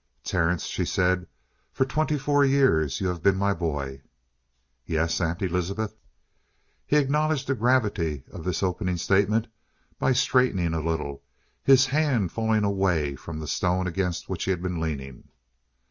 "Terence," she said, "for twenty four years you have been my boy." "Yes, Aunt Elizabeth." He acknowledged the gravity of this opening statement by straightening a little, his hand falling away from the stone against which he had been leaning.